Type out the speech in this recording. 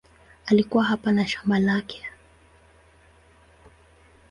Alikuwa hapa na shamba lake.